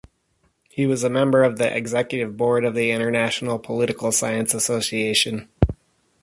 He was a member of the Executive Board of the International Political Science Association.